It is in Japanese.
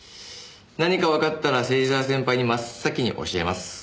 何かわかったら芹沢先輩に真っ先に教えます。